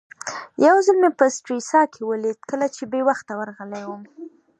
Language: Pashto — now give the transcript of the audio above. یو ځل مې په سټریسا کې ولید کله چې بې وخته ورغلی وم.